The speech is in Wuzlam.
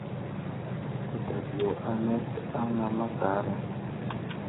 Kudakw yo anay tsənaŋa mazlara.